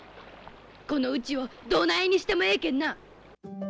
このうちをどないにしてもええけんな。